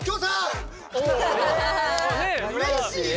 うれしいよ。